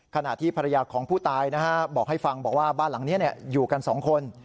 ขณะที่ภรรยาของผู้ตายบอกให้ฟังบอกว่าบ้านหลังนี้อยู่กันสองคน